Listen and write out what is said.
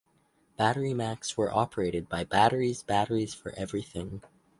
BatteryMax were operated by Batteries Batteries for Everything.